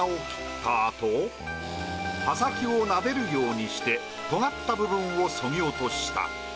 刃先をなでるようにしてとがった部分をそぎ落とした。